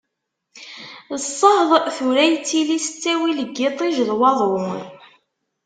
Ssehḍ tura yettili s ttawil n yiṭij d waḍu.